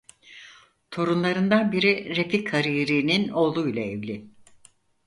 Torunlarından biri Refik Hariri'nin oğluyla evli.